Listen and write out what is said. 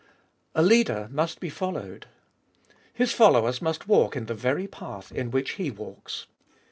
A leader must be followed. — His followers must walk in the very path in which he walks.